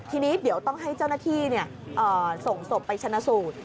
ทีนี้เดี๋ยวต้องให้เจ้าหน้าที่ส่งศพไปชนะสูตร